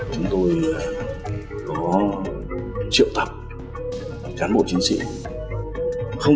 trong thôn xóm